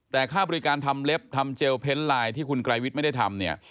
แต่ค่าบริการทำเล็บทำเจลเพ้นไลน์ที่คุณไกรวิทย์ไม่ได้ทำเนี่ย